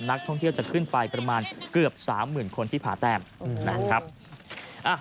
นักท่องเที่ยวจะขึ้นไปประมาณเกือบสามหมื่นคนที่พาแต้มอืมนะครับอ่า